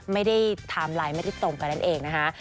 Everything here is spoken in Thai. ไม่ได้ไทม์ไลน์ไม่ได้ตรงกันเองนะคะ